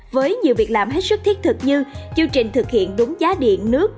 với nhiều việc làm hết sức thiết thực như chương trình thực hiện đúng giá điện nước